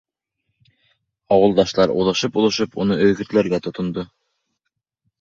Ауылдаштар уҙышып-уҙышып уны өгөтләргә тотондо: